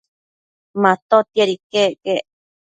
Matotiad iquec quec